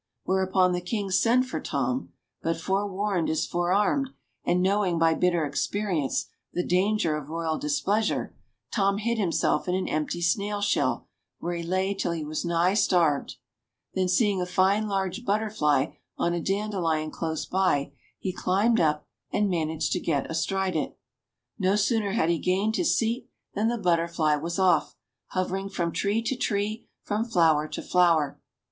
Whereupon the King sent for Tom ; but forewarned is forearmed, and knowing by bitter experience the danger of royal displeasure, Tom hid himself in an empty snail shell, where he lay till he was nigh starved. Then seeing a fine large butterfly on a dandelion close by, he climbed up and TRUE HISTORY OF SIR THOMAS THUMB 213 managed to get astride it. No sooner had he gained his seat than the butterfly was off, hovering from tree to tree, from flower to flower.